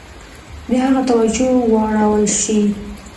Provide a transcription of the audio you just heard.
د هغه توجه واړول شي.